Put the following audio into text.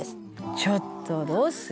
「ちょっとどうする？」